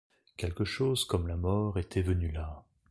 Quelque chose comme la mort était venu là.